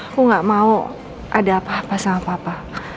aku nggak mau ada apa apa sama papa